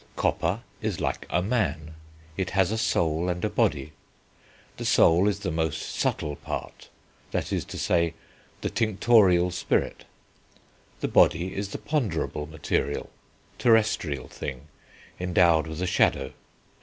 Copper is like a man; it has a soul and a body ... the soul is the most subtile part ... that is to say, the tinctorial spirit. The body is the ponderable, material, terrestrial thing, endowed with a shadow....